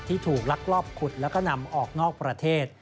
ถูกลักลอบขุดแล้วก็นำออกนอกประเทศ